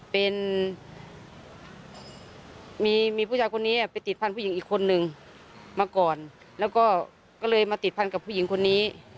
เป็นมีผู้ชายคนนี้ไปติดพันธุ์หญิงอีกคนนึงมาก่อนแล้วก็ก็เลยมาติดพันกับผู้หญิงคนนี้